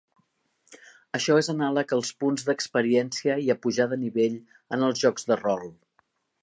Això és anàleg als punts d'experiència i a pujar de nivell en els jocs de rol.